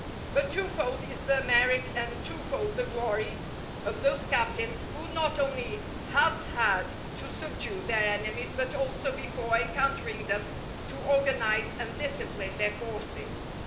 But twofold is the merit and twofold the glory of those captains who not only have had to subdue their enemies, but also before encountering them to organize and discipline their forces.